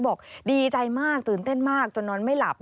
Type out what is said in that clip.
บอกดีใจมากตื่นเต้นมากจนนอนไม่หลับ